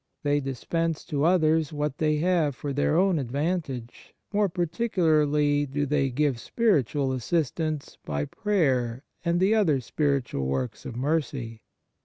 They dispense to others what they have for their own advantage; more particularly do they give spiritual assistance by prayer and the other spiritual works of mercy.